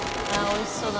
おいしそう。